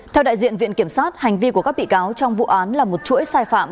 theo đại diện viện kiểm sát hành vi của các bị cáo trong vụ án là một chuỗi sai phạm